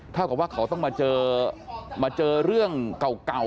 เท่ากับว่าเขาต้องมาเจอมาเจอเรื่องเก่า